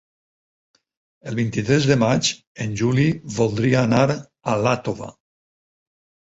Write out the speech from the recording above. El vint-i-tres de maig en Juli voldria anar a Iàtova.